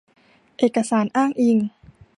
เอกสารอ้างอิง